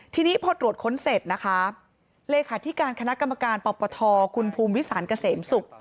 ทีนี้พอตรวจค้นเสร็จนะคะเลขาธิการคณะกรรมการปปทคุณภูมิวิสานเกษมศุกร์